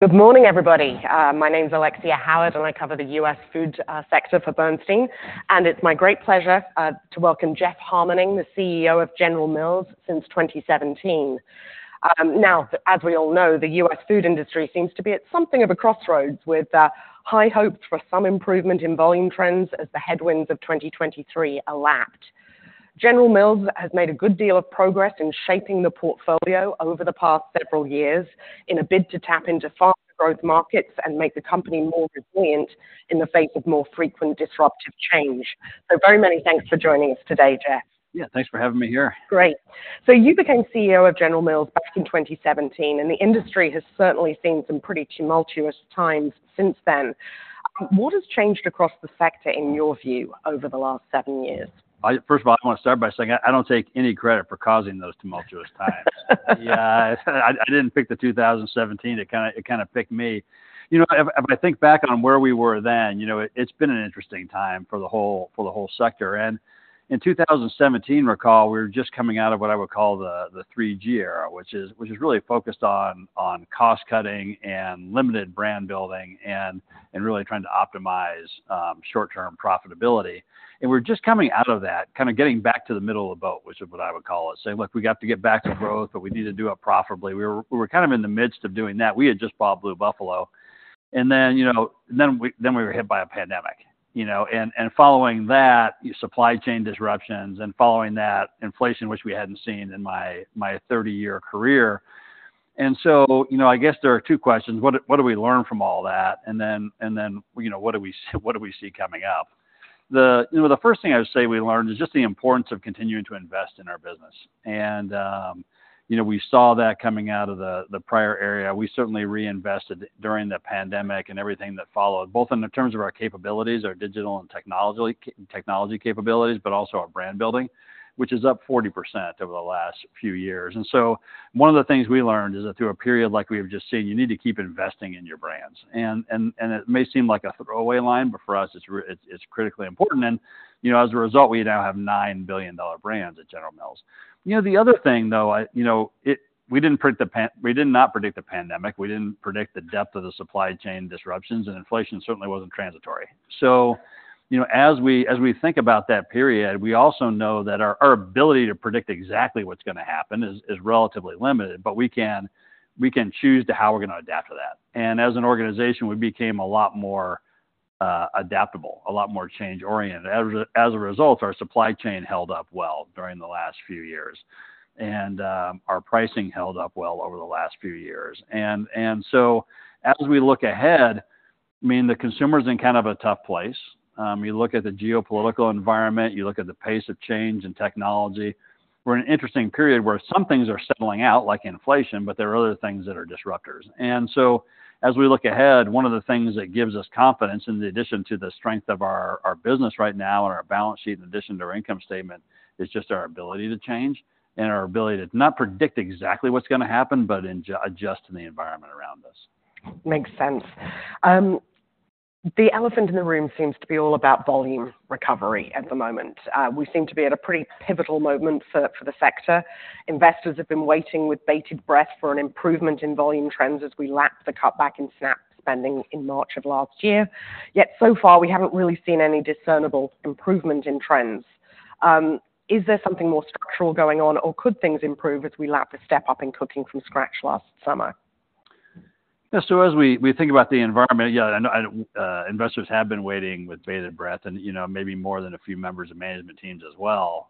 Good morning, everybody. My name is Alexia Howard, and I cover the U.S. Food Sector for Bernstein. It's my great pleasure to welcome Jeff Harmening, the CEO of General Mills since 2017. Now, as we all know, the U.S. food industry seems to be at something of a crossroads, with high hopes for some improvement in volume trends as the headwinds of 2023 elapsed. General Mills has made a good deal of progress in shaping the portfolio over the past several years in a bid to tap into faster growth markets and make the company more resilient in the face of more frequent disruptive change. Very many thanks for joining us today, Jeff. Yeah, thanks for having me here. Great. So you became CEO of General Mills back in 2017, and the industry has certainly seen some pretty tumultuous times since then. What has changed across the sector, in your view, over the last seven years? First of all, I want to start by saying I, I don't take any credit for causing those tumultuous times. Yeah, I, I didn't pick the 2017. It kind of, it kind of picked me. You know, if, if I think back on where we were then, you know, it's been an interesting time for the whole, for the whole sector. And in 2017, recall, we were just coming out of what I would call the, the 3G era, which is which is really focused on, on cost cutting and limited brand building and, and really trying to optimize short-term profitability. And we're just coming out of that, kind of getting back to the middle of the boat, which is what I would call it, saying: Look, we got to get back to growth, but we need to do it profitably. We were kind of in the midst of doing that. We had just bought Blue Buffalo. And then, you know, then we were hit by a pandemic, you know, and following that, supply chain disruptions, and following that, inflation, which we hadn't seen in my 30-year career. And so, you know, I guess there are two questions. What did we learn from all that? And then, you know, what do we see coming up? You know, the first thing I would say we learned is just the importance of continuing to invest in our business. And, you know, we saw that coming out of the prior era. We certainly reinvested during the pandemic and everything that followed, both in terms of our capabilities, our digital and technology capabilities, but also our brand building, which is up 40% over the last few years. So one of the things we learned is that through a period like we've just seen, you need to keep investing in your brands. And it may seem like a throwaway line, but for us, it's critically important. You know, as a result, we now have $9 billion brands at General Mills. You know, the other thing, though, we didn't predict the pandemic. We didn't predict the depth of the supply chain disruptions, and inflation certainly wasn't transitory. So, you know, as we think about that period, we also know that our ability to predict exactly what's going to happen is relatively limited, but we can choose to how we're going to adapt to that. As an organization, we became a lot more adaptable, a lot more change-oriented. As a result, our supply chain held up well during the last few years, and our pricing held up well over the last few years. So as we look ahead, I mean, the consumer is in kind of a tough place. You look at the geopolitical environment, you look at the pace of change in technology. We're in an interesting period where some things are settling out, like inflation, but there are other things that are disruptors. And so as we look ahead, one of the things that gives us confidence, in addition to the strength of our, our business right now and our balance sheet, in addition to our income statement, is just our ability to change and our ability to not predict exactly what's going to happen, but adjust to the environment around us. Makes sense. The elephant in the room seems to be all about volume recovery at the moment. We seem to be at a pretty pivotal moment for the sector. Investors have been waiting with bated breath for an improvement in volume trends as we lap the cutback in SNAP spending in March of last year. Yet so far, we haven't really seen any discernible improvement in trends. Is there something more structural going on, or could things improve as we lap the step-up in cooking from scratch last summer? Yeah, so as we think about the environment, yeah, I know investors have been waiting with bated breath and, you know, maybe more than a few members of management teams as well.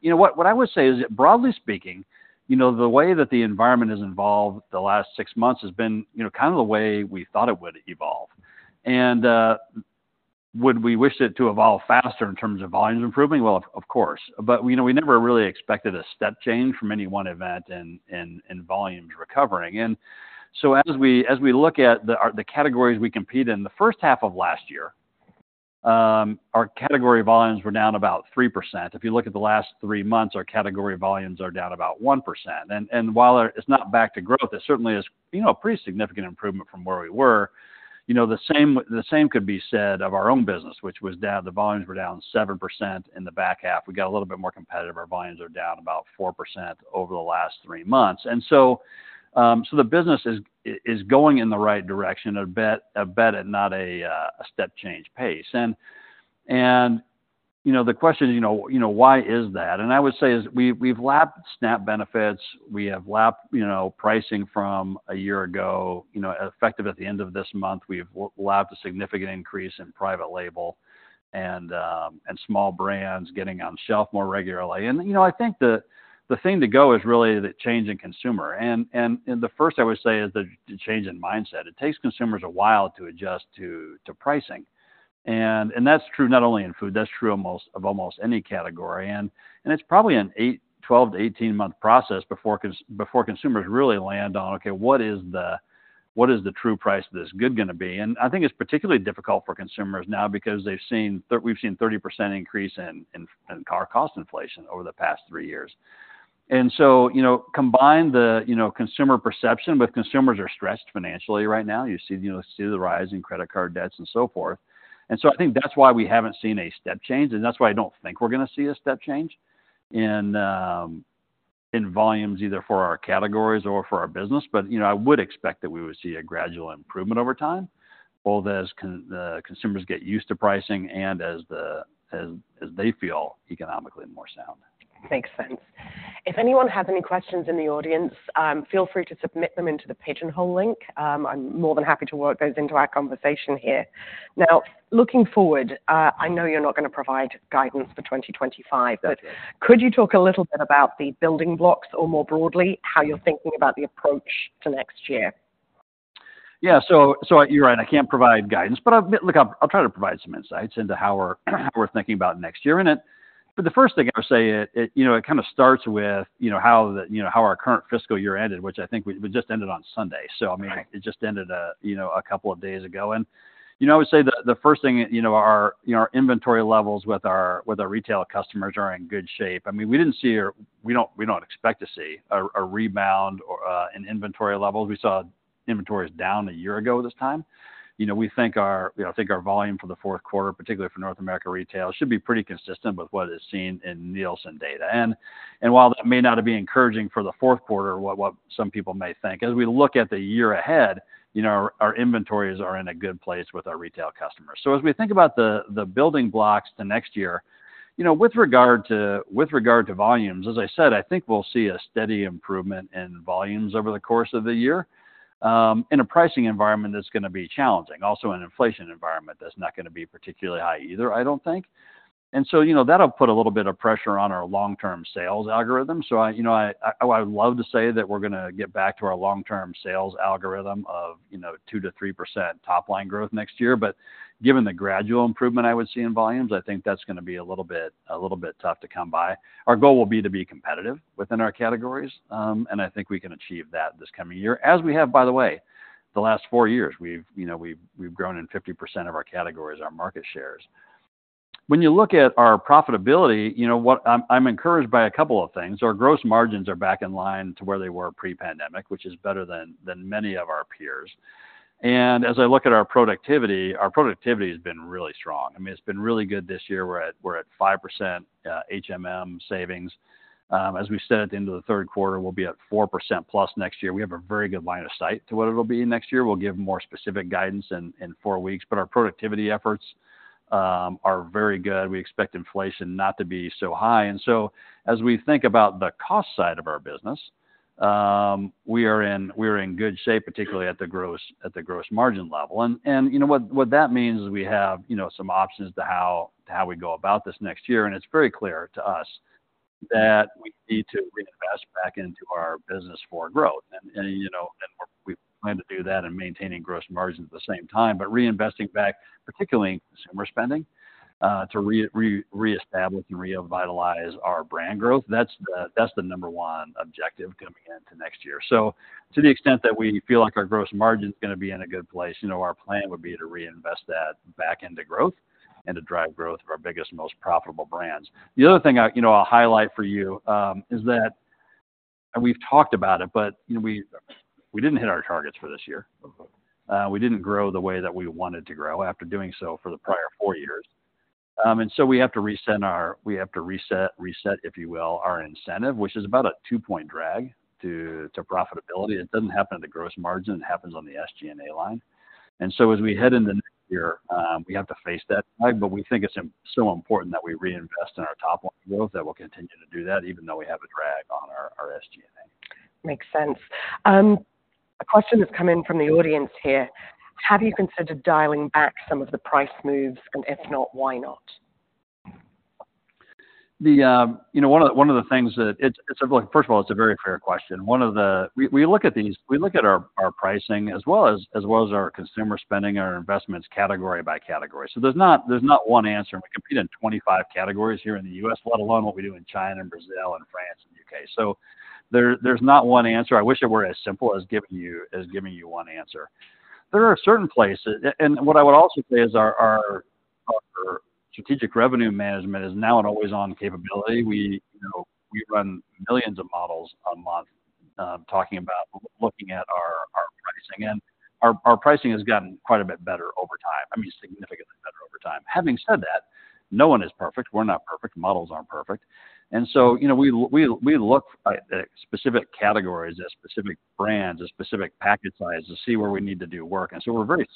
You know, what I would say is that, broadly speaking, you know, the way that the environment has evolved the last six months has been, you know, kind of the way we thought it would evolve. And would we wish it to evolve faster in terms of volumes improving? Well, of course, but, you know, we never really expected a step change from any one event in volumes recovering. And so as we look at the categories we compete in, the first half of last year, our category volumes were down about 3%. If you look at the last three months, our category volumes are down about 1%. And while it's not back to growth, it certainly is, you know, a pretty significant improvement from where we were. You know, the same could be said of our own business, which was down. The volumes were down 7% in the back half. We got a little bit more competitive. Our volumes are down about 4% over the last three months. And so, so the business is going in the right direction, but at not a step change pace. And, you know, the question is, you know, why is that? And I would say is we, we've lapped SNAP benefits, we have lapped, you know, pricing from a year ago. You know, effective at the end of this month, we've lapped a significant increase in private label and, and small brands getting on shelf more regularly. And, you know, I think the thing to go is really the change in consumer. And the first I would say is the change in mindset. It takes consumers a while to adjust to pricing. And that's true not only in food, that's true almost of almost any category. And it's probably an 8, 12-18-month process before consumers really land on, okay, what is the true price of this good gonna be? And I think it's particularly difficult for consumers now because they've seen we've seen 30% increase in core cost inflation over the past 3 years. And so, you know, combine the, you know, consumer perception, but consumers are stressed financially right now. You see, you know, see the rise in credit card debts and so forth. And so I think that's why we haven't seen a step change, and that's why I don't think we're gonna see a step change. And in volumes, either for our categories or for our business. But, you know, I would expect that we would see a gradual improvement over time, both as the consumers get used to pricing and as they feel economically more sound. Makes sense. If anyone has any questions in the audience, feel free to submit them into the Pigeonhole link. I'm more than happy to work those into our conversation here. Now, looking forward, I know you're not gonna provide guidance for 2025, but could you talk a little bit about the building blocks, or more broadly, how you're thinking about the approach for next year? Yeah. So you're right, I can't provide guidance, but I'll try to provide some insights into how we're thinking about next year. But the first thing I would say, you know, it kind of starts with, you know, how our current fiscal year ended, which I think we just ended on Sunday. Right. So, I mean, it just ended, you know, a couple of days ago. And, you know, I would say the, the first thing, you know, our, you know, our inventory levels with our, with our retail customers are in good shape. I mean, we didn't see or we don't, we don't expect to see a, a rebound or in inventory levels. We saw inventories down a year ago this time. You know, we think our, you know, think our volume for the fourth quarter, particularly for North America retail, should be pretty consistent with what is seen in Nielsen data. And, and while that may not be encouraging for the fourth quarter, what, what some people may think, as we look at the year ahead, you know, our, our inventories are in a good place with our retail customers. So as we think about the building blocks to next year, you know, with regard to volumes, as I said, I think we'll see a steady improvement in volumes over the course of the year in a pricing environment that's gonna be challenging, also in an inflation environment that's not gonna be particularly high either, I don't think. And so, you know, that'll put a little bit of pressure on our long-term sales algorithm. So I, you know, I would love to say that we're gonna get back to our long-term sales algorithm of, you know, 2%-3% top line growth next year, but given the gradual improvement I would see in volumes, I think that's gonna be a little bit, a little bit tough to come by. Our goal will be to be competitive within our categories, and I think we can achieve that this coming year, as we have, by the way, the last four years. We've, you know, we've grown in 50% of our categories, our market shares. When you look at our profitability, you know what? I'm encouraged by a couple of things. Our gross margins are back in line to where they were pre-pandemic, which is better than many of our peers. And as I look at our productivity, our productivity has been really strong. I mean, it's been really good this year. We're at 5%, HMM savings. As we've said, at the end of the third quarter, we'll be at 4%+ next year. We have a very good line of sight to what it'll be next year. We'll give more specific guidance in four weeks, but our productivity efforts are very good. We expect inflation not to be so high. And so as we think about the cost side of our business, we are in good shape, particularly at the gross margin level. You know what that means is we have you know some options to how we go about this next year. And it's very clear to us that we need to reinvest back into our business for growth. We plan to do that and maintaining gross margins at the same time, but reinvesting back, particularly in consumer spending, to reestablish and revitalize our brand growth. That's the number one objective coming into next year. So to the extent that we feel like our gross margin is gonna be in a good place, you know, our plan would be to reinvest that back into growth and to drive growth of our biggest, most profitable brands. The other thing, you know, I'll highlight for you is that, and we've talked about it, but, you know, we didn't hit our targets for this year. We didn't grow the way that we wanted to grow after doing so for the prior 4 years. And so we have to reset, if you will, our incentive, which is about a 2-point drag to profitability. It doesn't happen at the gross margin, it happens on the SG&A line. As we head into next year, we have to face that drag, but we think it's so important that we reinvest in our top line growth, that we'll continue to do that even though we have a drag on our SG&A. Makes sense. A question has come in from the audience here: Have you considered dialing back some of the price moves, and if not, why not? You know, one of the things that it's a very fair question. One of the—we look at these. We look at our pricing as well as our consumer spending and our investments category by category. So there's not one answer, and we compete in 25 categories here in the U.S., let alone what we do in China and Brazil and France and U.K. So there's not one answer. I wish it were as simple as giving you one answer. There are certain places. And what I would also say is our strategic revenue management is now an always-on capability. You know, we run millions of models a month, talking about looking at our pricing. Our pricing has gotten quite a bit better over time. I mean, significantly better over time. Having said that, no one is perfect. We're not perfect. Models aren't perfect. And so, you know, we look at specific categories, at specific brands, at specific package sizes to see where we need to do work. And so we're very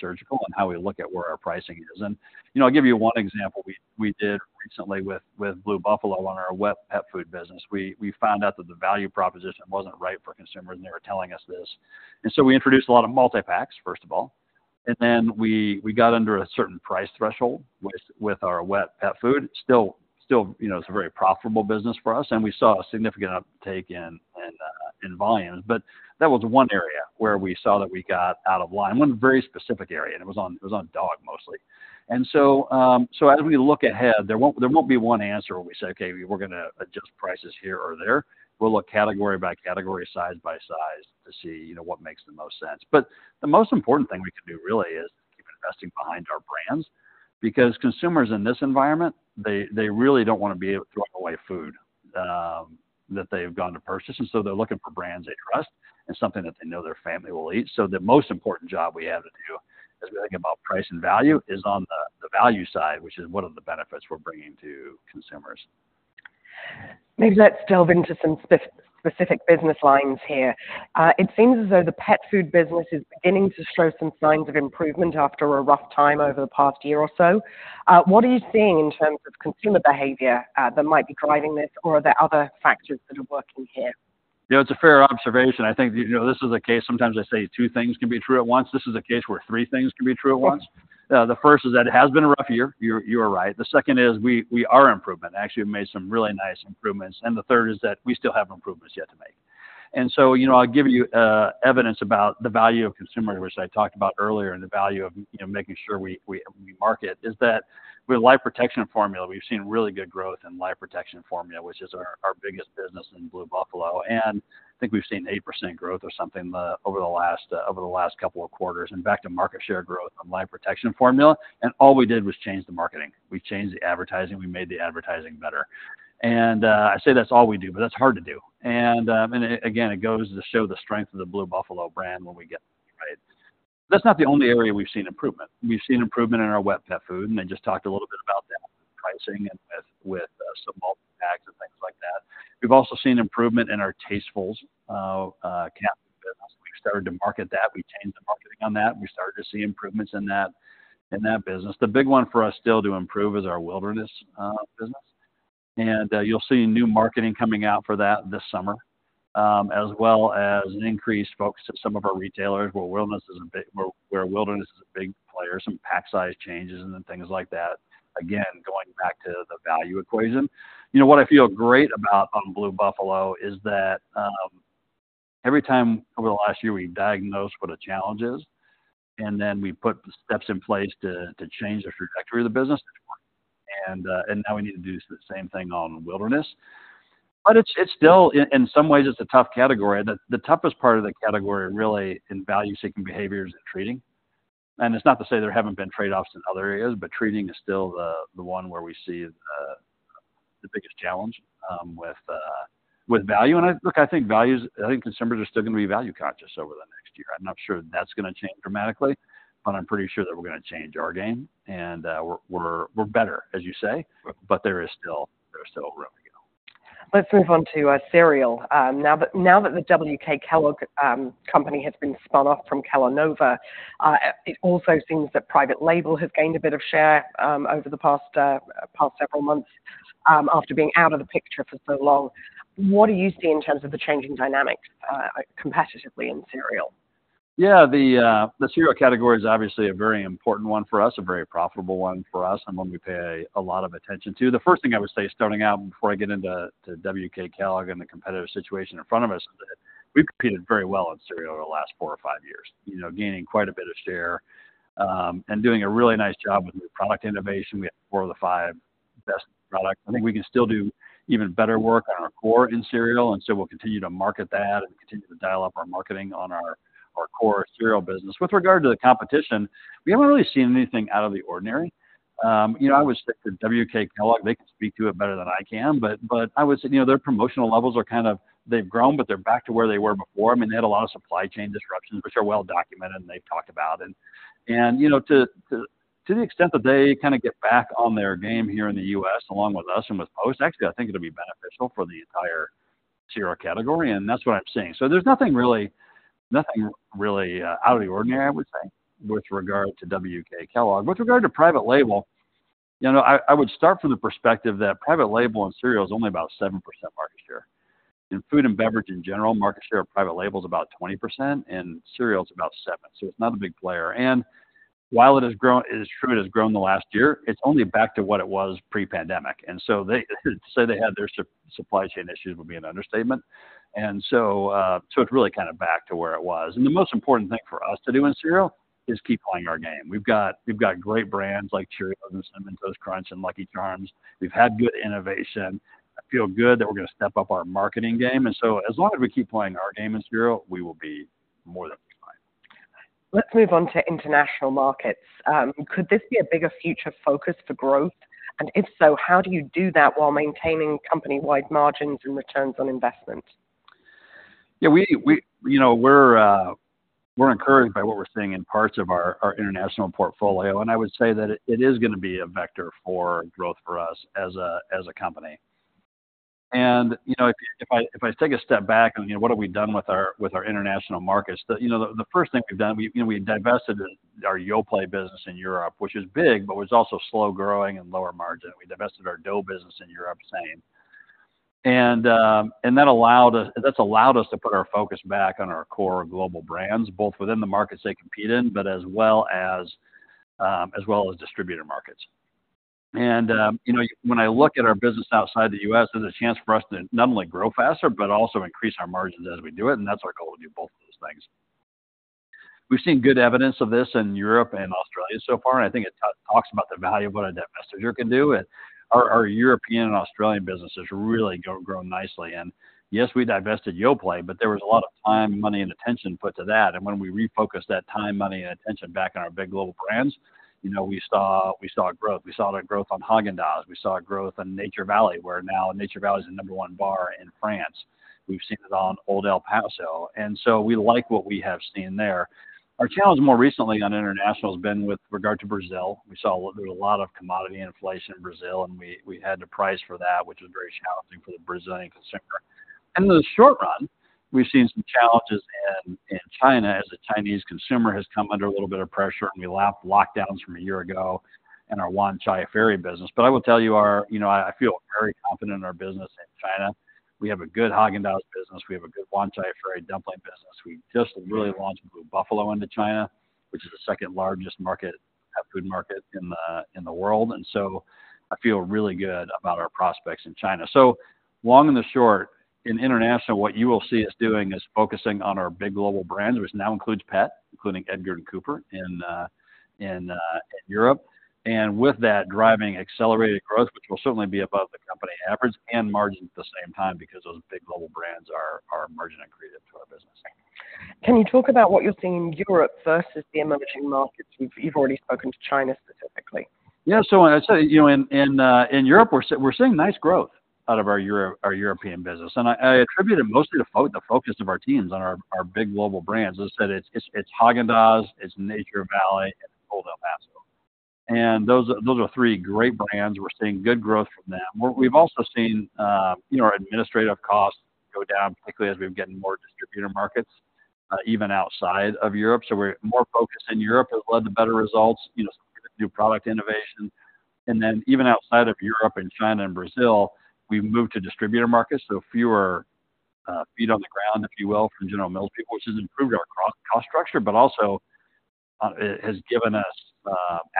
surgical in how we look at where our pricing is. And, you know, I'll give you one example we did recently with Blue Buffalo on our wet pet food business. We found out that the value proposition wasn't right for consumers, and they were telling us this. And so we introduced a lot of multi-packs, first of all, and then we got under a certain price threshold with our wet pet food. You know, it's a very profitable business for us, and we saw a significant uptake in volumes. But that was one area where we saw that we got out of line, one very specific area, and it was on dog, mostly. And so as we look ahead, there won't be one answer where we say, "Okay, we're gonna adjust prices here or there." We'll look category by category, size by size to see, you know, what makes the most sense. But the most important thing we can do, really, is keep investing behind our brands, because consumers in this environment, they really don't want to be throwing away food that they've gone to purchase. And so they're looking for brands they trust and something that they know their family will eat. So the most important job we have to do as we think about price and value is on the value side, which is what are the benefits we're bringing to consumers? Maybe let's delve into some specific business lines here. It seems as though the pet food business is beginning to show some signs of improvement after a rough time over the past year or so. What are you seeing in terms of consumer behavior that might be driving this, or are there other factors that are working here? You know, it's a fair observation. I think, you know, this is a case, sometimes I say two things can be true at once. This is a case where three things can be true at once. The first is that it has been a rough year. You're, you are right. The second is we are improving, and actually have made some really nice improvements. And the third is that we still have improvements yet to make. And so, you know, I'll give you evidence about the value of consumer, which I talked about earlier, and the value of, you know, making sure we market, is that with Life Protection Formula, we've seen really good growth in Life Protection Formula, which is our biggest business in Blue Buffalo. And I think we've seen 8% growth or something over the last couple of quarters, and back to market share growth on Life Protection Formula, and all we did was change the marketing. We changed the advertising, we made the advertising better. And I say that's all we do, but that's hard to do. And again, it goes to show the strength of the Blue Buffalo brand when we get it right. That's not the only area we've seen improvement. We've seen improvement in our wet pet food, and I just talked a little bit about that, pricing and with some multi-packs and things like that. We've also seen improvement in our Taste of the Wild cat food business. We've started to market that. We changed the marketing on that. We started to see improvements in that, in that business. The big one for us still to improve is our Wilderness business. And you'll see new marketing coming out for that this summer, as well as an increased focus at some of our retailers, where Wilderness is a big player, some pack size changes and then things like that. Again, going back to the value equation. You know, what I feel great about on Blue Buffalo is that, every time over the last year, we diagnose what a challenge is, and then we put the steps in place to change the trajectory of the business. And now we need to do the same thing on Wilderness. But it's still, in some ways, it's a tough category. The toughest part of the category, really, in value-seeking behavior, is in treating. And it's not to say there haven't been trade-offs in other areas, but treating is still the one where we see the biggest challenge with value. Look, I think consumers are still going to be value conscious over the next year. I'm not sure that's going to change dramatically, but I'm pretty sure that we're going to change our game, and we're better, as you say, but there is still room to grow. Let's move on to cereal. Now that the WK Kellogg Company has been spun off from Kellanova, it also seems that private label has gained a bit of share over the past several months after being out of the picture for so long. What do you see in terms of the changing dynamics competitively in cereal? Yeah, the cereal category is obviously a very important one for us, a very profitable one for us, and one we pay a lot of attention to. The first thing I would say, starting out, before I get into WK Kellogg and the competitive situation in front of us, is that we've competed very well in cereal over the last four or five years. You know, gaining quite a bit of share, and doing a really nice job with new product innovation. We have four of the five best products. I think we can still do even better work on our core in cereal, and so we'll continue to market that and continue to dial up our marketing on our core cereal business. With regard to the competition, we haven't really seen anything out of the ordinary. You know, I would stick to WK Kellogg, they can speak to it better than I can, but I would say, you know, their promotional levels are kind of... They've grown, but they're back to where they were before. I mean, they had a lot of supply chain disruptions, which are well documented, and they've talked about. And you know, to the extent that they kind of get back on their game here in the U.S., along with us and with Post, actually, I think it'll be beneficial for the entire cereal category, and that's what I'm seeing. So there's nothing really out of the ordinary, I would say, with regard to WK Kellogg. With regard to private label, you know, I would start from the perspective that private label in cereal is only about 7% market share. In food and beverage, in general, market share of private label is about 20%, and cereal is about 7%, so it's not a big player. And while it has grown, it is true it has grown in the last year, it's only back to what it was pre-pandemic. And so they say they had their supply chain issues would be an understatement. And so, so it's really kind of back to where it was. And the most important thing for us to do in cereal is keep playing our game. We've got, we've got great brands like Cheerios and Cinnamon Toast Crunch and Lucky Charms. We've had good innovation. I feel good that we're going to step up our marketing game, and so as long as we keep playing our game in cereal, we will be more than fine. Let's move on to international markets. Could this be a bigger future focus for growth? And if so, how do you do that while maintaining company-wide margins and returns on investment? Yeah, we, you know, we're encouraged by what we're seeing in parts of our international portfolio, and I would say that it is going to be a vector for growth for us as a company. And, you know, if I take a step back on, you know, what have we done with our international markets, the, you know, the first thing we've done, we, you know, we divested our Yoplait business in Europe, which is big, but was also slow-growing and lower margin. We divested our dough business in Europe, same. And that allowed us, that's allowed us to put our focus back on our core global brands, both within the markets they compete in, but as well as distributor markets. And, you know, when I look at our business outside the U.S., there's a chance for us to not only grow faster, but also increase our margins as we do it, and that's our goal, to do both of those things. We've seen good evidence of this in Europe and Australia so far, and I think it talks about the value of what a divestiture can do. Our European and Australian businesses really have grown nicely. And yes, we divested Yoplait, but there was a lot of time, money, and attention put to that. And when we refocused that time, money, and attention back on our big global brands, you know, we saw growth. We saw the growth on Häagen-Dazs, we saw growth on Nature Valley, where now Nature Valley is the number one bar in France. We've seen it on Old El Paso, and so we like what we have seen there. Our challenge more recently on international has been with regard to Brazil. We saw there was a lot of commodity inflation in Brazil, and we had to price for that, which was very challenging for the Brazilian consumer. In the short run, we've seen some challenges in China as the Chinese consumer has come under a little bit of pressure, and we lapped lockdowns from a year ago in our Wan Chai Ferry business. But I will tell you our, you know, I feel very confident in our business in China. We have a good Häagen-Dazs business. We have a good Wan Chai Ferry dumpling business. We just really launched Blue Buffalo into China, which is the second largest market, food market in the world. And so I feel really good about our prospects in China. So long and the short, in international, what you will see us doing is focusing on our big global brands, which now includes pet, including Edgard & Cooper in Europe. And with that, driving accelerated growth, which will certainly be above the company average and margins at the same time, because those big global brands are margin-accretive to our business. Can you talk about what you're seeing in Europe versus the emerging markets? You've already spoken to China specifically. Yeah, so I'd say, you know, in Europe, we're seeing nice growth out of our European business, and I attribute it mostly to the focus of our teams on our big global brands. As I said, it's Häagen-Dazs, it's Nature Valley, and Old El Paso. And those are three great brands. We're seeing good growth from them. We've also seen, you know, our administrative costs go down, particularly as we've gotten more distributor markets, even outside of Europe. So we're more focused in Europe, has led to better results, you know, new product innovation. And then even outside of Europe and China and Brazil, we've moved to distributor markets, so fewer feet on the ground, if you will, from General Mills people, which has improved our cost structure, but also, it has given us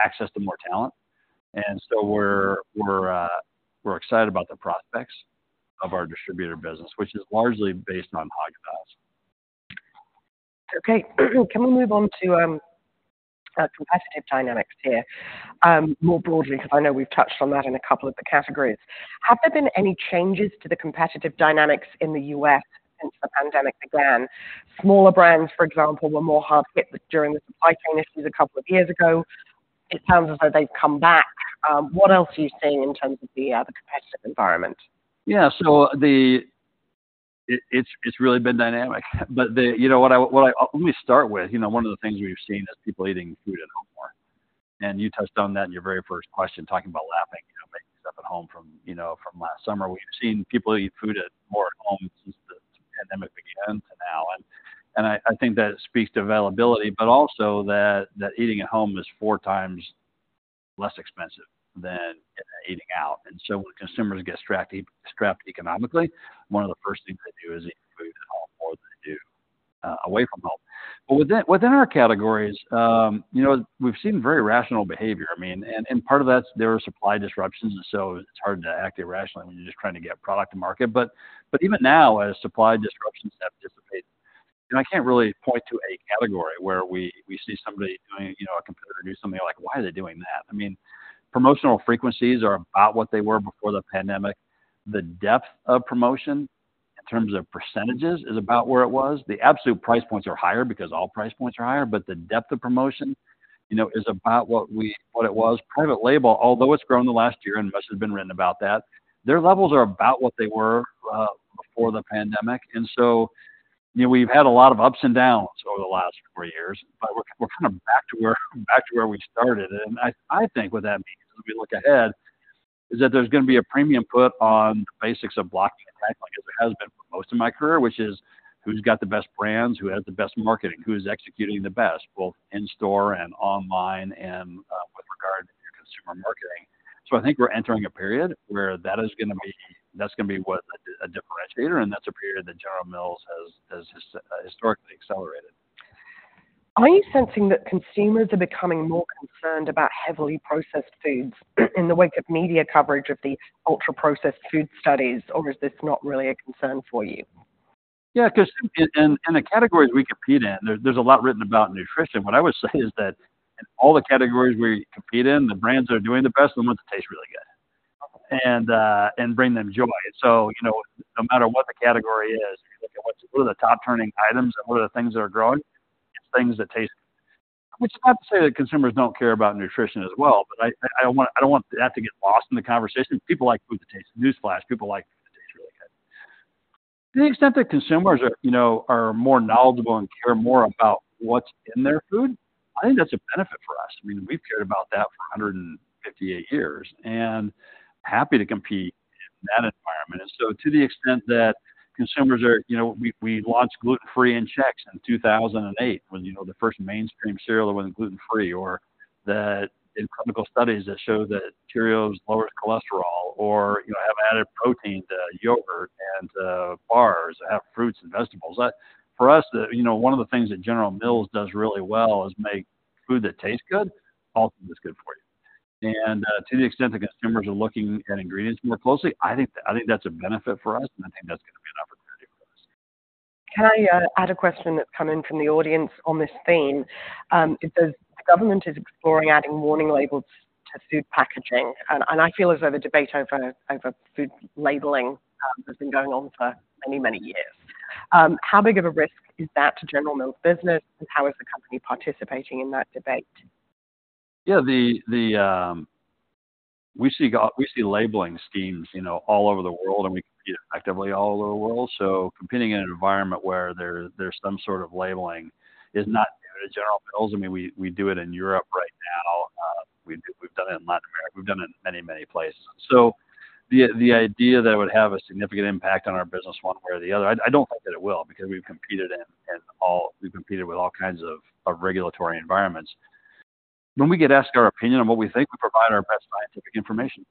access to more talent. And so we're excited about the prospects of our distributor business, which is largely based on Häagen-Dazs. Okay. Can we move on to competitive dynamics here? More broadly, because I know we've touched on that in a couple of the categories. Have there been any changes to the competitive dynamics in the U.S. since the pandemic began? Smaller brands, for example, were more hard hit with during the supply chain issues a couple of years ago. It sounds as though they've come back. What else are you seeing in terms of the competitive environment? Yeah, so it's really been dynamic. But you know what-- let me start with, you know, one of the things we've seen is people eating food at home more. And you touched on that in your very first question, talking about lapping, you know, making stuff at home from, you know, from last summer. We've seen people eat food at home more since the pandemic began to now, and I think that speaks to availability, but also that eating at home is four times less expensive than eating out. And so when consumers get strapped economically, one of the first things they do is eat food at home more than they do away from home. But within our categories, you know, we've seen very rational behavior. I mean, part of that, there are supply disruptions, and so it's hard to act irrationally when you're just trying to get product to market. But even now, as supply disruptions have dissipated, and I can't really point to a category where we see somebody doing, you know, a competitor do something like, "Why are they doing that?" I mean, promotional frequencies are about what they were before the pandemic. The depth of promotion, in terms of percentages, is about where it was. The absolute price points are higher because all price points are higher, but the depth of promotion, you know, is about what we-- what it was. Private label, although it's grown in the last year, and much has been written about that, their levels are about what they were before the pandemic. And so, you know, we've had a lot of ups and downs over the last four years, but we're kind of back to where we started. And I think what that means, as we look ahead, is that there's going to be a premium put on the basics of block and attack, like as it has been for most of my career, which is: Who's got the best brands? Who has the best marketing? Who is executing the best, both in-store and online, and with regard to consumer marketing? So I think we're entering a period where that is gonna be a differentiator, and that's a period that General Mills has historically accelerated. Are you sensing that consumers are becoming more concerned about heavily processed foods in the wake of media coverage of the ultra-processed food studies, or is this not really a concern for you? Yeah, because in the categories we compete in, there's a lot written about nutrition. What I would say is that, in all the categories we compete in, the brands that are doing the best are the ones that taste really good and bring them joy. So, you know, no matter what the category is, if you look at what are the top turning items and what are the things that are growing, it's things that taste. Which is not to say that consumers don't care about nutrition as well, but I don't want that to get lost in the conversation. People like food that tastes... Newsflash, people like food that tastes really good. To the extent that consumers are, you know, more knowledgeable and care more about what's in their food, I think that's a benefit for us. I mean, we've cared about that for 158 years, and happy to compete in that environment. So to the extent that consumers are... You know, we launched gluten-free in Chex in 2008, when, you know, the first mainstream cereal that was gluten-free, or that in clinical studies that show that Cheerios lowered cholesterol, or, you know, have added protein to yogurt and bars that have fruits and vegetables. That for us, you know, one of the things that General Mills does really well is make food that tastes good, also is good for you. And to the extent that consumers are looking at ingredients more closely, I think that's a benefit for us, and I think that's gonna be an opportunity for us. Can I add a question that's come in from the audience on this theme? It says: The government is exploring adding warning labels to food packaging, and I feel as though the debate over food labeling has been going on for many, many years. How big of a risk is that to General Mills' business, and how is the company participating in that debate? Yeah, the... We see labeling schemes, you know, all over the world, and we compete actively all over the world. So competing in an environment where there's some sort of labeling is not new to General Mills. I mean, we do it in Europe right now. We've done it in Latin America. We've done it in many, many places. So the idea that it would have a significant impact on our business one way or the other, I don't think that it will, because we've competed in all-- we've competed with all kinds of regulatory environments. When we get asked our opinion on what we think, we provide our best scientific information.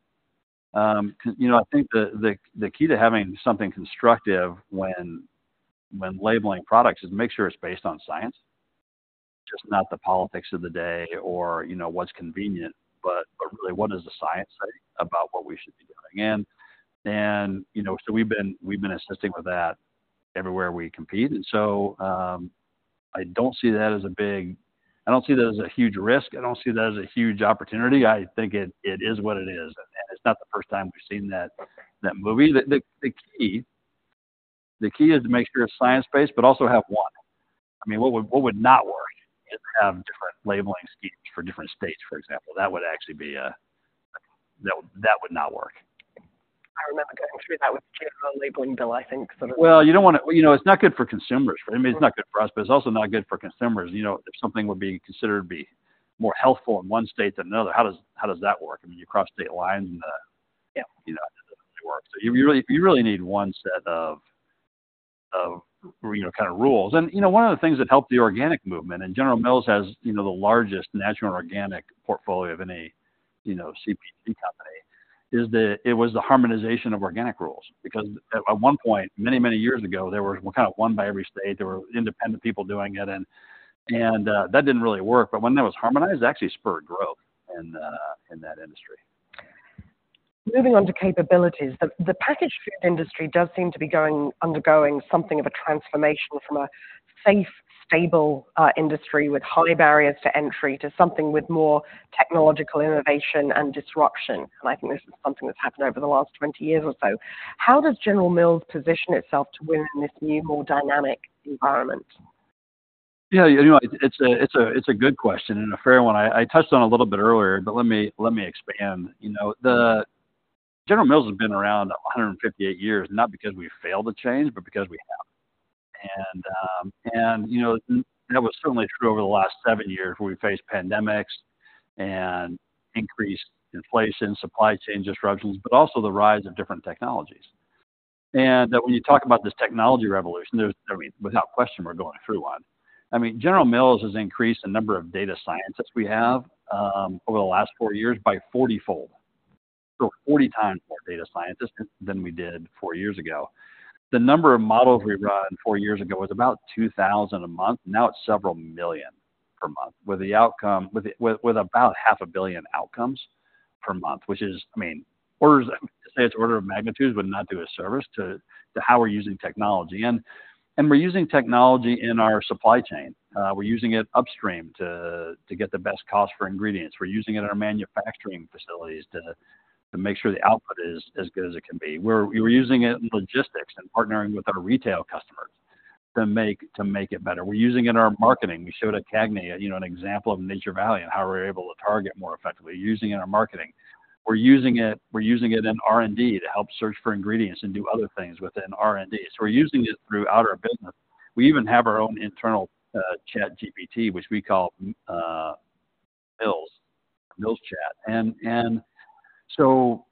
Because, you know, I think the key to having something constructive when labeling products is make sure it's based on science, just not the politics of the day or, you know, what's convenient, but really, what does the science say about what we should be doing? And, you know, so we've been assisting with that everywhere we compete. And so, I don't see that as a huge risk. I don't see that as a huge opportunity. I think it is what it is. And it's not the first time we've seen that movie. The key is to make sure you're science-based, but also have one. I mean, what would not work is to have different labeling schemes for different states, for example. That would actually... That, that would not work. I remember going through that with Federal Labeling Bill, I think, sort of- Well, you don't want to. You know, it's not good for consumers. I mean, it's not good for us, but it's also not good for consumers. You know, if something would be considered to be more healthful in one state than another, how does that work? I mean, you cross state lines, and yeah, you know, it doesn't really work. So you really need one set of, you know, kind of rules. You know, one of the things that helped the organic movement, and General Mills has, you know, the largest natural and organic portfolio of any, you know, CPG company, is that it was the harmonization of organic rules. Because at one point, many years ago, there were kind of one by every state, there were independent people doing it, and that didn't really work. But when that was harmonized, it actually spurred growth in that industry. Moving on to capabilities. The packaged industry does seem to be undergoing something of a transformation from a safe, stable, industry with high barriers to entry, to something with more technological innovation and disruption. And I think this is something that's happened over the last 20 years or so. How does General Mills position itself to win in this new, more dynamic environment? Yeah, you know, it's a good question and a fair one. I touched on it a little bit earlier, but let me expand. You know, the General Mills has been around 158 years, not because we failed to change, but because we have. And, you know, that was certainly true over the last 7 years, where we faced pandemics and increased inflation, supply chain disruptions, but also the rise of different technologies. And when you talk about this technology revolution, there's, I mean, without question, we're going through one. I mean, General Mills has increased the number of data scientists we have over the last 4 years by 40-fold. So 40x more data scientists than we did 4 years ago. The number of models we ran 4 years ago was about 2,000 a month. Now it's several million per month, with the outcome. With about 500 million outcomes per month, which is, I mean, orders of—to say it's order of magnitude would not do a service to how we're using technology. And we're using technology in our supply chain. We're using it upstream to get the best cost for ingredients. We're using it in our manufacturing facilities to make sure the output is as good as it can be. We're using it in logistics and partnering with our retail customers to make it better. We're using it in our marketing. We showed at CAGNY, you know, an example of Nature Valley and how we're able to target more effectively, using it in our marketing. We're using it, we're using it in R&D to help search for ingredients and do other things within R&D. So we're using it throughout our business. We even have our own internal ChatGPT, which we call Mills, MillsChat. And so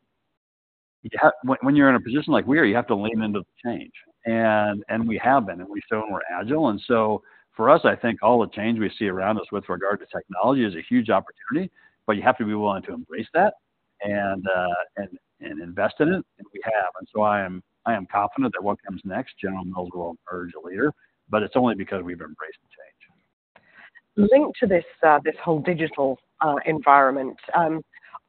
you have, when you're in a position like we are, you have to lean into the change, and we have been, and we've shown we're agile. And so for us, I think all the change we see around us with regard to technology is a huge opportunity, but you have to be willing to embrace that and invest in it, and we have. And so I am confident that what comes next, General Mills will emerge a leader, but it's only because we've embraced the change. Linked to this, this whole digital environment,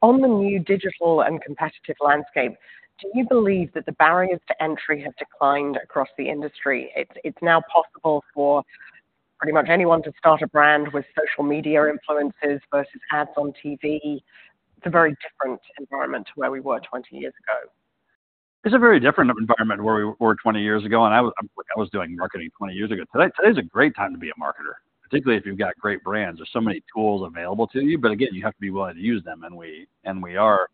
on the new digital and competitive landscape, do you believe that the barriers to entry have declined across the industry? It's, it's now possible for pretty much anyone to start a brand with social media influences versus ads on TV. It's a very different environment to where we were 20 years ago. It's a very different environment where we were 20 years ago, and I was, I was doing marketing 20 years ago. Today, today is a great time to be a marketer, particularly if you've got great brands. There's so many tools available to you, but again, you have to be willing to use them, and we, and we are.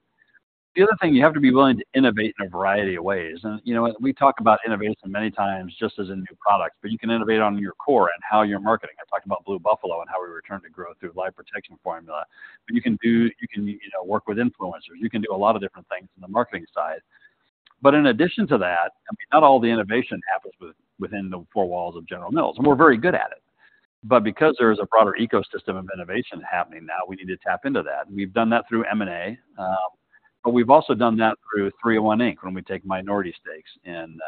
The other thing, you have to be willing to innovate in a variety of ways. And, you know, we talk about innovation many times, just as in new products, but you can innovate on your core and how you're marketing. I talked about Blue Buffalo and how we return to growth through Life Protection Formula. But you can do, you can, you know, work with influencers. You can do a lot of different things on the marketing side. But in addition to that, I mean, not all the innovation happens within the four walls of General Mills, and we're very good at it. But because there is a broader ecosystem of innovation happening now, we need to tap into that. We've done that through M&A, but we've also done that through 301 Inc, when we take minority stakes in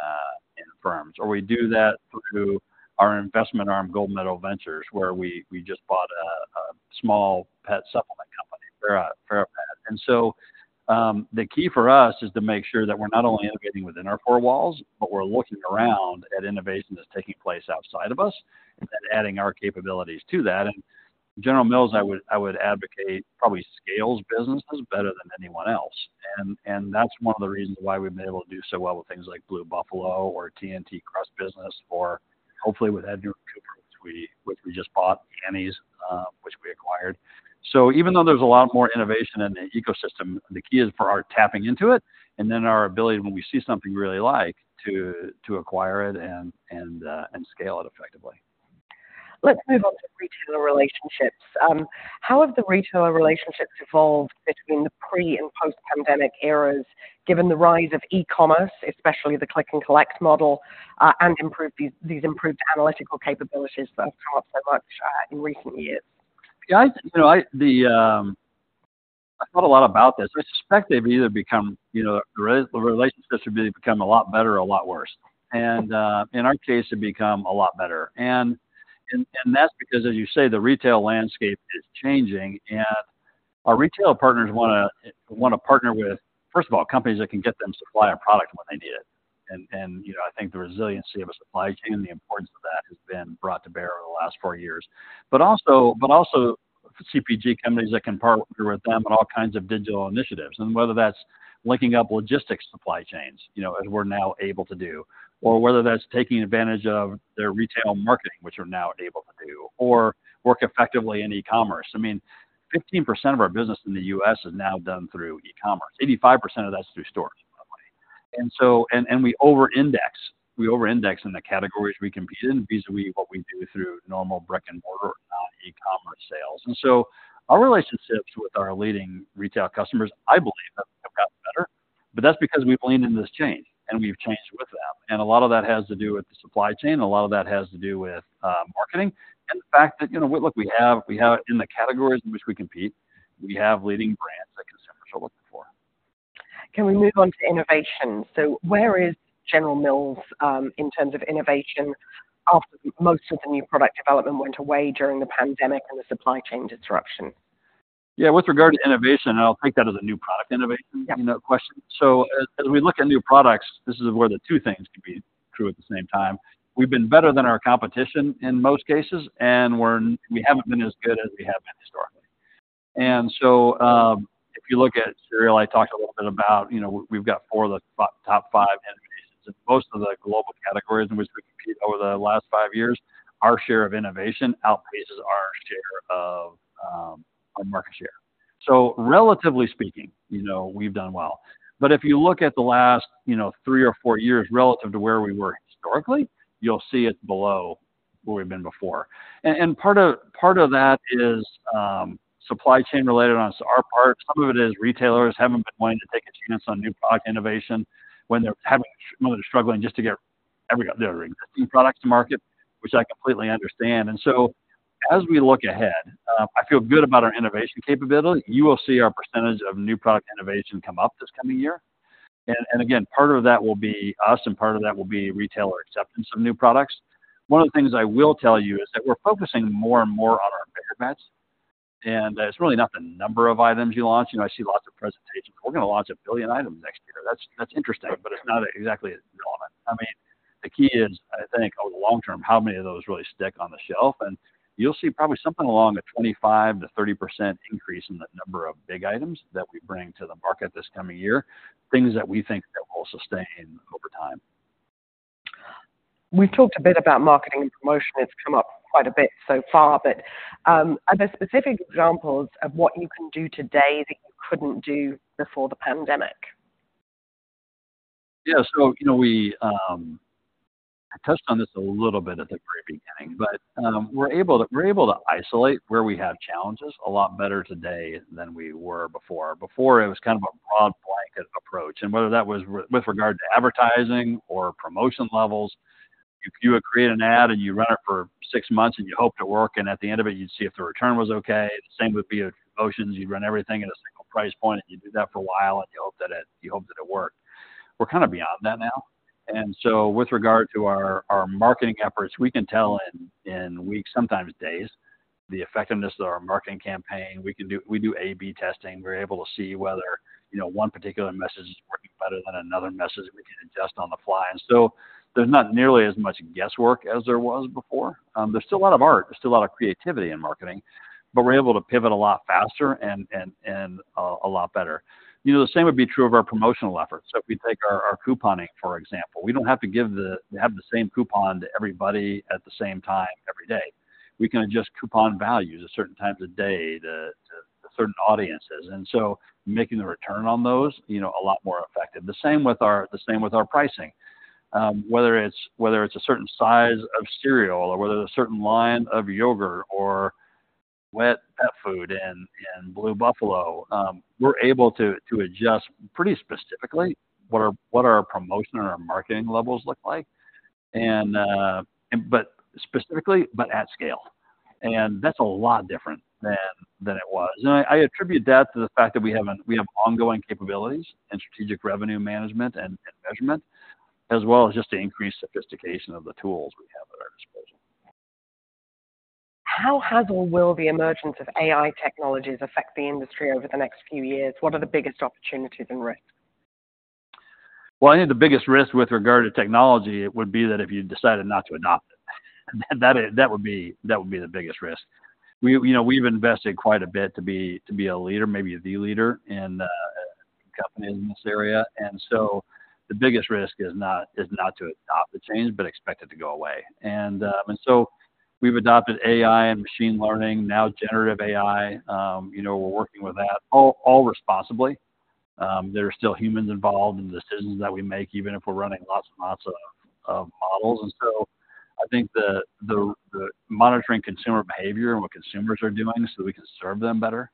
firms, or we do that through our investment arm, Gold Medal Ventures, where we just bought a small pet supplement company, Fera Pet. And so, the key for us is to make sure that we're not only innovating within our four walls, but we're looking around at innovation that's taking place outside of us and then adding our capabilities to that. And General Mills, I would advocate, probably scales businesses better than anyone else. That's one of the reasons why we've been able to do so well with things like Blue Buffalo or TNT Crust business or hopefully with Edgard & Cooper, which we just bought, Annie's, which we acquired. So even though there's a lot more innovation in the ecosystem, the key is for our tapping into it, and then our ability, when we see something we really like, to acquire it and scale it effectively. Let's move on to retailer relationships. How have the retailer relationships evolved between the pre- and post-pandemic eras, given the rise of e-commerce, especially the click-and-collect model, and these improved analytical capabilities that have come up so much in recent years? Yeah, you know, I thought a lot about this. I suspect they've either become, you know, the relationships have really become a lot better or a lot worse. And in our case, they've become a lot better. And that's because, as you say, the retail landscape is changing, and our retail partners wanna partner with, first of all, companies that can get them supply of product when they need it. And you know, I think the resiliency of a supply chain, the importance of that, has been brought to bear over the last four years. But also, but also CPG companies that can partner with them on all kinds of digital initiatives, and whether that's linking up logistics supply chains, you know, as we're now able to do, or whether that's taking advantage of their retail marketing, which we're now able to do, or work effectively in e-commerce. I mean, 15% of our business in the U.S. is now done through e-commerce. 85% of that's through stores, by the way. And so, and, and we over-index, we over-index in the categories we compete in, vis-à-vis what we do through normal brick-and-mortar e-commerce sales. And so our relationships with our leading retail customers, I believe, have, have gotten better, but that's because we've leaned into this change, and we've changed with them. A lot of that has to do with the supply chain, a lot of that has to do with marketing, and the fact that, you know, look, we have, we have in the categories in which we compete, we have leading brands that consumers are looking for. Can we move on to innovation? So where is General Mills, in terms of innovation, after most of the new product development went away during the pandemic and the supply chain disruption? Yeah, with regard to innovation, and I'll take that as a new product innovation- Yeah. You know, question. So as we look at new products, this is where the two things can be true at the same time. We've been better than our competition in most cases, and we're, we haven't been as good as we have been historically. And so, if you look at cereal, I talked a little bit about, you know, we've got four of the top five innovations. In most of the global categories in which we compete over the last five years, our share of innovation outpaces our share of, our market share. So relatively speaking, you know, we've done well. But if you look at the last, you know, three or four years relative to where we were historically, you'll see it below where we've been before. And part of that is, supply chain related on our part. Some of it is retailers haven't been wanting to take a chance on new product innovation when they're having... When they're struggling just to get their existing products to market, which I completely understand. And so as we look ahead, I feel good about our innovation capability. You will see our percentage of new product innovation come up this coming year. And again, part of that will be us, and part of that will be retailer acceptance of new products. One of the things I will tell you is that we're focusing more and more on our bigger bets, and it's really not the number of items you launch. You know, I see lots of presentations. "We're gonna launch a billion items next year." That's interesting, but it's not exactly relevant. I mean, the key is, I think, over the long term, how many of those really stick on the shelf? And you'll see probably something along a 25%-30% increase in the number of big items that we bring to the market this coming year, things that we think that will sustain over time. We've talked a bit about marketing and promotion. It's come up quite a bit so far, but, are there specific examples of what you can do today that you couldn't do before the pandemic? Yeah, so you know, we, I touched on this a little bit at the very beginning, but, we're able to, we're able to isolate where we have challenges a lot better today than we were before. Before, it was kind of a broad blanket approach, and whether that was with regard to advertising or promotion levels, you would create an ad, and you run it for six months, and you hope to work, and at the end of it, you'd see if the return was okay. Same would be with promotions. You'd run everything at a single price point, and you'd do that for a while, and you hope that it, you hope that it worked. We're kind of beyond that now. And so with regard to our, our marketing efforts, we can tell in, in weeks, sometimes days, the effectiveness of our marketing campaign. We do AB testing. We're able to see whether, you know, one particular message is working better than another message, and we can adjust on the fly. So there's not nearly as much guesswork as there was before. There's still a lot of art, there's still a lot of creativity in marketing, but we're able to pivot a lot faster and a lot better. You know, the same would be true of our promotional efforts. So if we take our couponing, for example, we don't have to have the same coupon to everybody at the same time, every day. We can adjust coupon values at certain times of day to certain audiences, and so making the return on those, you know, a lot more effective. The same with our pricing. Whether it's a certain size of cereal, or whether it's a certain line of yogurt or wet pet food in Blue Buffalo, we're able to adjust pretty specifically what our promotion or our marketing levels look like. But specifically at scale, and that's a lot different than it was. I attribute that to the fact that we have ongoing capabilities and strategic revenue management and measurement, as well as just the increased sophistication of the tools we have at our disposal. How has or will the emergence of AI technologies affect the industry over the next few years? What are the biggest opportunities and risks? Well, I think the biggest risk with regard to technology would be that if you decided not to adopt it, that is, that would be, that would be the biggest risk. You know, we've invested quite a bit to be, to be a leader, maybe the leader, in this area, and so the biggest risk is not, is not to adopt the change, but expect it to go away. And so we've adopted AI and machine learning, now generative AI, you know, we're working with that, all, all responsibly. There are still humans involved in the decisions that we make, even if we're running lots and lots of, of models. And so I think the monitoring consumer behavior and what consumers are doing, so we can serve them better,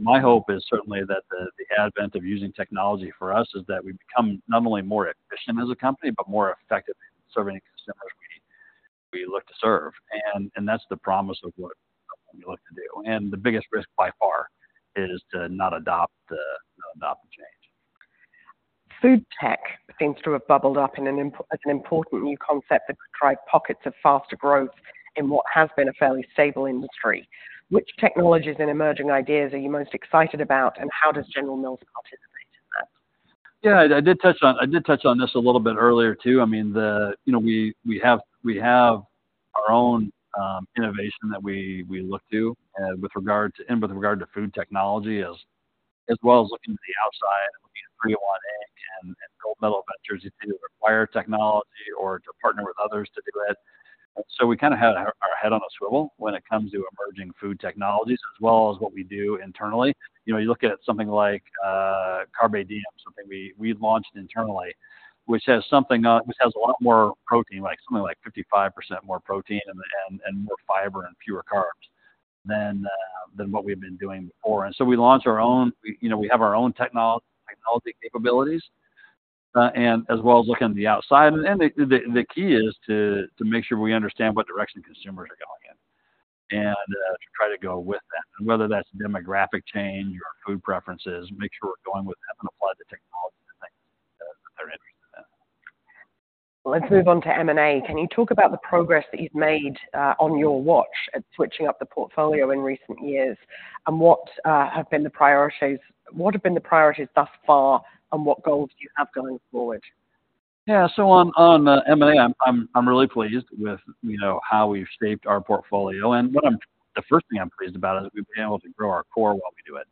my hope is certainly that the advent of using technology for us is that we become not only more efficient as a company, but more effective in serving the consumers we look to serve. And that's the promise of what we look to do. And the biggest risk by far is to not adopt the change. Food tech seems to have bubbled up as an important new concept that could drive pockets of faster growth in what has been a fairly stable industry. Which technologies and emerging ideas are you most excited about, and how does General Mills participate in that? Yeah, I did touch on this a little bit earlier, too. I mean, you know, we have our own innovation that we look to with regard to food technology, as well as looking to the outside, looking at 301 Inc and Gold Medal Ventures to acquire technology or to partner with others to do that. So we kind of have our head on a swivel when it comes to emerging food technologies, as well as what we do internally. You know, you look at something like Carbe Diem!, something we launched internally, which has a lot more protein, like, something like 55% more protein and more fiber and fewer carbs than what we've been doing before. And so we launch our own, we, you know, we have our own technology capabilities, and as well as looking on the outside. And the key is to make sure we understand what direction consumers are going in, and to try to go with them. And whether that's demographic change or food preferences, make sure we're going with them and apply the technology that they're interested in. Let's move on to M&A. Can you talk about the progress that you've made, on your watch at switching up the portfolio in recent years? And what have been the priorities thus far, and what goals do you have going forward? Yeah. So on M&A, I'm really pleased with, you know, how we've shaped our portfolio. And the first thing I'm pleased about is we've been able to grow our core while we do it.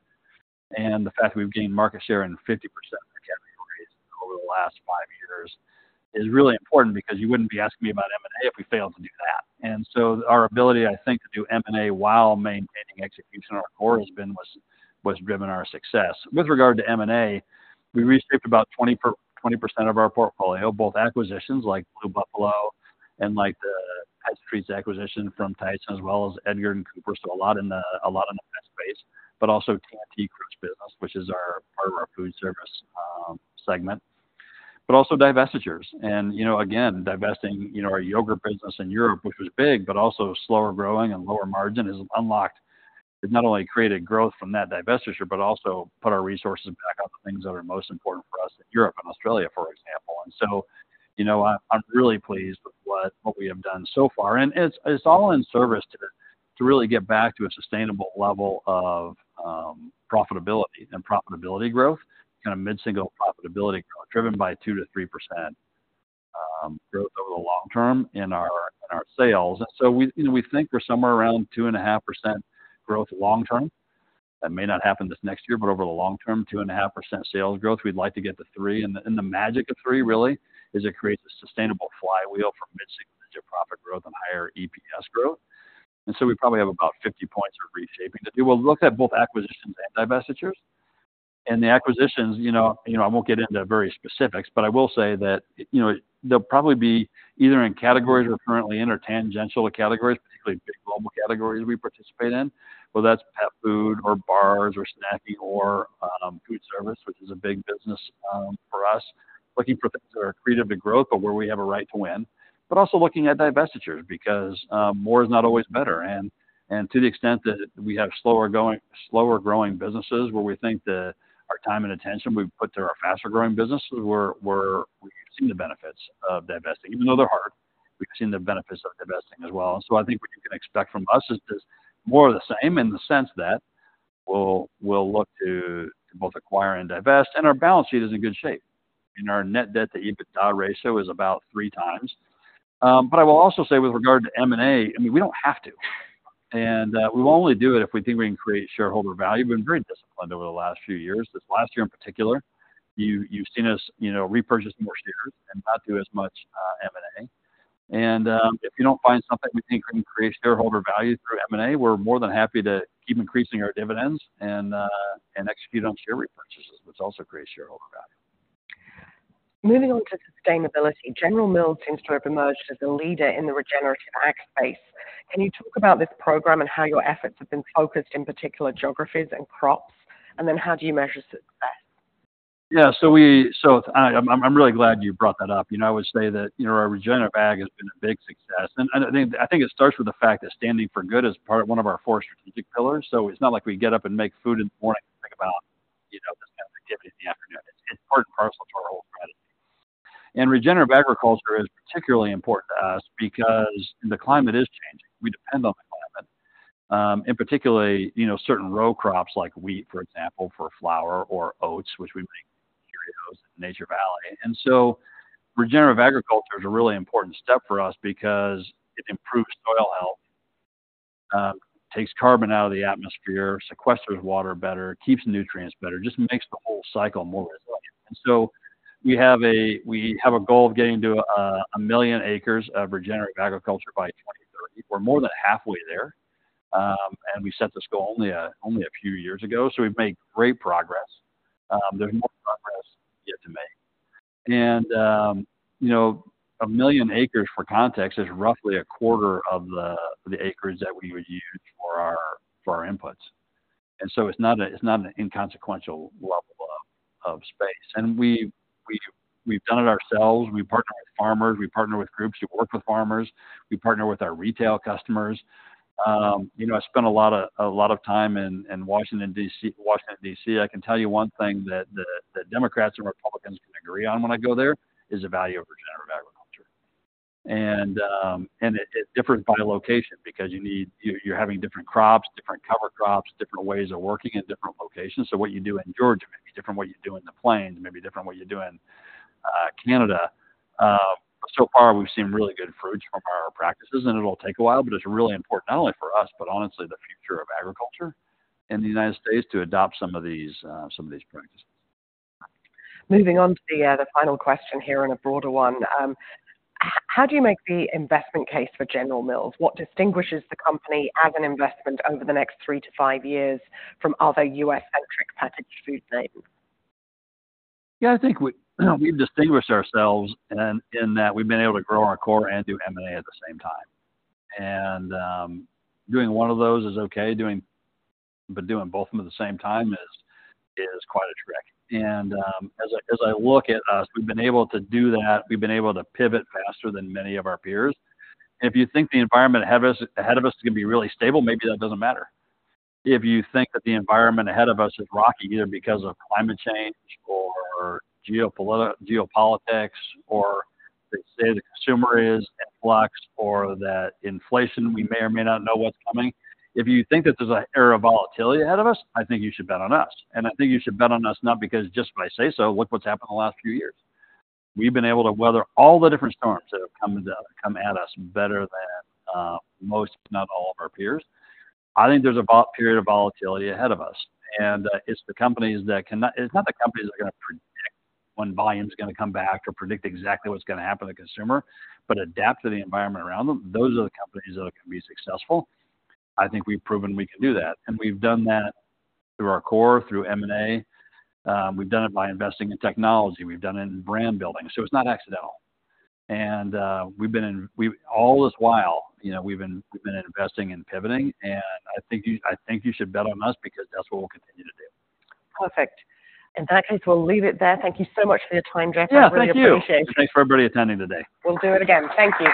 And the fact that we've gained market share in 50% of our categories over the last five years is really important, because you wouldn't be asking me about M&A if we failed to do that. And so our ability, I think, to do M&A while maintaining execution of our core has driven our success. With regard to M&A, we reshaped about 20% of our portfolio, both acquisitions like Blue Buffalo and like the pet treats acquisition from Tyson, as well as Edgard & Cooper. So a lot in the pet space, but also TNT Crust business, which is part of our food service segment, but also divestitures. And, you know, again, divesting, you know, our yogurt business in Europe, which was big, but also slower growing and lower margin, has unlocked... It not only created growth from that divestiture, but also put our resources back on the things that are most important for us in Europe and Australia, for example. And so, you know, I'm really pleased with what we have done so far, and it's all in service to really get back to a sustainable level of profitability and profitability growth, kind of mid-single profitability growth, driven by 2%-3% growth over the long term in our sales. So we, you know, we think we're somewhere around 2.5% growth long term. That may not happen this next year, but over the long term, 2.5% sales growth. We'd like to get to 3%, and the, and the magic of 3% really is it creates a sustainable flywheel for mid-single digit profit growth and higher EPS growth. And so we probably have about 50 points of reshaping. We will look at both acquisitions and divestitures. And the acquisitions, you know, you know, I won't get into very specific, but I will say that, you know, they'll probably be either in categories we're currently in or tangential to categories, particularly big global categories we participate in, whether that's pet food or bars or snacking or food service, which is a big business for us. Looking for things that are creative to growth, but where we have a right to win. But also looking at divestitures, because more is not always better. And to the extent that we have slower growing businesses, where we think that our time and attention we've put to our faster growing businesses, we've seen the benefits of divesting. Even though they're hard, we've seen the benefits of divesting as well. So I think what you can expect from us is just more of the same, in the sense that we'll look to both acquire and divest. And our balance sheet is in good shape, and our net debt to EBITDA ratio is about 3x. But I will also say with regard to M&A, I mean, we don't have to, and we will only do it if we think we can create shareholder value. We've been very disciplined over the last few years. This last year in particular, you've seen us, you know, repurchase more shares and not do as much M&A. And if you don't find something we think we can create shareholder value through M&A, we're more than happy to keep increasing our dividends and execute on share repurchases, which also creates shareholder value. Moving on to sustainability. General Mills seems to have emerged as a leader in the regenerative ag space. Can you talk about this program and how your efforts have been focused in particular geographies and crops, and then how do you measure success? Yeah, so I'm really glad you brought that up. You know, I would say that, you know, our regenerative ag has been a big success. And I think it starts with the fact that Standing for Good is part one of our four strategic pillars. So it's not like we get up and make food in the morning and think about, you know, this kind of activity in the afternoon. It's part and parcel to our whole strategy. And regenerative agriculture is particularly important to us because the climate is changing. We depend on the climate. And particularly, you know, certain row crops like wheat, for example, for flour or oats, which we make Nature Valley. Regenerative agriculture is a really important step for us because it improves soil health, takes carbon out of the atmosphere, sequesters water better, keeps nutrients better, just makes the whole cycle more resilient. We have a goal of getting to 1 million acres of regenerative agriculture by 2030. We're more than halfway there, and we set this goal only a few years ago, so we've made great progress. There's more progress yet to make. You know, 1 million acres, for context, is roughly a quarter of the acres that we would use for our inputs. It's not an inconsequential level of space. We've done it ourselves. We partner with farmers. We partner with groups who work with farmers. We partner with our retail customers. You know, I spent a lot of, a lot of time in, in Washington, DC, Washington, DC. I can tell you one thing that the Democrats and Republicans can agree on when I go there is the value of regenerative agriculture. And it is different by location because you need, you are having different crops, different cover crops, different ways of working in different locations. So what you do in Georgia may be different than what you do in the Plains, may be different than what you do in Canada. So far, we have seen really good fruits from our practices, and it will take a while, but it is really important, not only for us, but honestly, the future of agriculture in the United States to adopt some of these practices. Moving on to the final question here, and a broader one. How do you make the investment case for General Mills? What distinguishes the company as an investment over the next three to five years from other U.S.-centric packaged food names? Yeah, I think we, we've distinguished ourselves in, in that we've been able to grow our core and do M&A at the same time. And, doing one of those is okay, doing, but doing both of them at the same time is, is quite a trick. And, as I, as I look at us, we've been able to do that. We've been able to pivot faster than many of our peers. If you think the environment ahead of us, ahead of us is going to be really stable, maybe that doesn't matter. If you think that the environment ahead of us is rocky, either because of climate change or geopolitics, or the state of consumer is in flux, or that inflation, we may or may not know what's coming. If you think that there's an era of volatility ahead of us, I think you should bet on us. And I think you should bet on us, not because just I say so, look what's happened in the last few years. We've been able to weather all the different storms that have come at us better than most, if not all, of our peers. I think there's a period of volatility ahead of us, and it's not the companies that are going to predict when volume is going to come back or predict exactly what's going to happen to the consumer, but adapt to the environment around them, those are the companies that are going to be successful. I think we've proven we can do that, and we've done that through our core, through M&A. We've done it by investing in technology. We've done it in brand building, so it's not accidental. And we've been all this while, you know, we've been investing in pivoting, and I think you should bet on us because that's what we'll continue to do. Perfect. In that case, we'll leave it there. Thank you so much for your time, Jeff. Yeah, thank you. I really appreciate it. Thanks for everybody attending today. We'll do it again. Thank you.